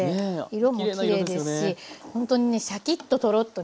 色もきれいですしほんとにねシャキッとトロッとね